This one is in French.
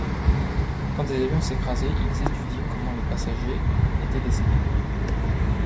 Quand des avions s’écrasaient il étudiait comment les passagers étaient décédés.